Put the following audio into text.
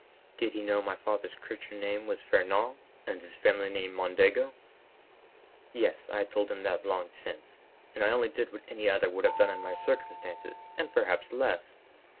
"Did he know my father's Christian name was Fernand, and his family name Mondego?" "Yes, I had told him that long since, and I did only what any other would have done in my circumstances, and perhaps less.